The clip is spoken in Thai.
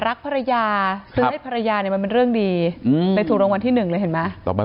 รักภรรยาคือให้ภรรยาเนี่ยมันเป็นเรื่องดีเลยถูกรางวัลที่หนึ่งเลยเห็นไหม